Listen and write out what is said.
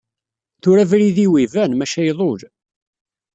Tura abrid-iw iban, maca iḍul.